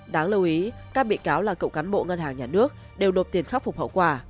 đáng lưu ý các bị cáo là cựu cán bộ ngân hàng nhà nước đều nộp tiền khắc phục hậu quả